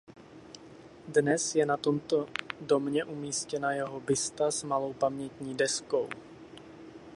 Dnes je na tomto domě umístěna jeho busta s malou pamětní deskou.